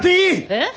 えっ？